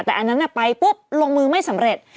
แต่อันนั้นไปปุ๊บลงมือไม่สำเร็จ